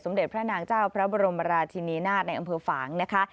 เด็จพระนางเจ้าพระบรมราชินีนาฏในอำเภอฝางนะคะ